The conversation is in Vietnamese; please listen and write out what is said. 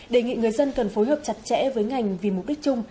đề nghị người dân cần phối hợp chặt chẽ với ngành vì mục đích chung